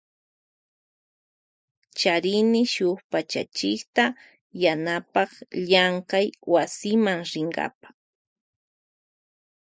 Charini shuk pachachikta yanapan llankay wasima rinkapa.